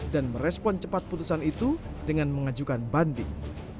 merespon cepat putusan itu dengan mengajukan banding